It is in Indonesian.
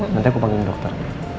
nanti aku panggilin dokter